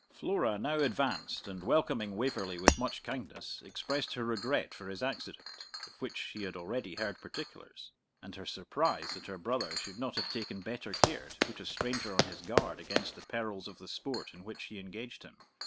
Flora now advanced, and welcoming Waverley with much kindness, expressed her regret for his accident, of which she had already heard particulars, and her surprise that her brother should not have taken better care to put a stranger on his guard against the perils of the sport in which he engaged him.